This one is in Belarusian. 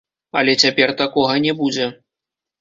Але цяпер такога не будзе.